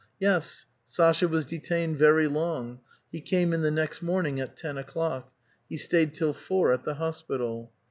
Yes, Sasha was detained very long. He came in the next morning at ten o'clock. He stayed till four at the hospital.